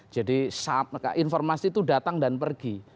jadi informasi itu datang dan pergi